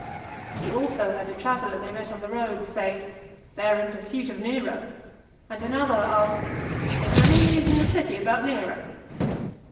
He also heard a traveller they met on the road, say, "They are (377) in pursuit of Nero:" and another ask, "Is there any news in the city about Nero?"